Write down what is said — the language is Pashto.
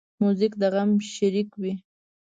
موزیک د غم شریک وي.